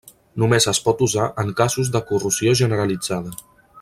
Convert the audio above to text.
Només es pot usar en casos de corrosió generalitzada.